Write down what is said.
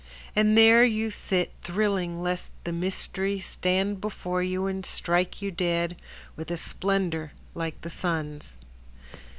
And there you sit thrilling lest the Mystery Stand before you and strike you dead With a splendor like the sun's.